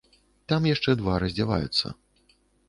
Там яшчэ два раздзяваюцца.